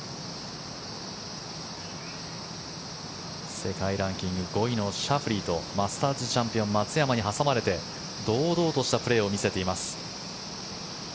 世界ランキング５位のシャフリーとマスターズチャンピオン松山に挟まれて堂々としたプレーを見せています。